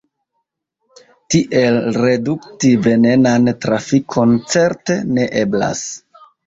Tiel redukti venenan trafikon certe ne eblas.